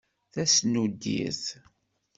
Tasnuddirt.